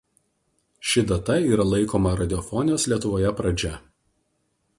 Ši data yra laikoma radiofonijos Lietuvoje pradžia.